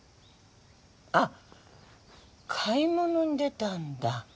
あっ買い物に出たんだ。